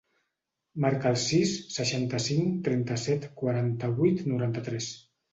Marca el sis, seixanta-cinc, trenta-set, quaranta-vuit, noranta-tres.